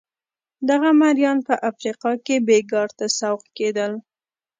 دغه مریان په افریقا کې بېګار ته سوق کېدل.